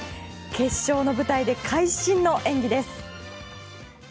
決勝の舞台で会心の演技です。